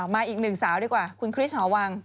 มาอีกหนึ่งสาวดีกว่าคุณคริสหอวัง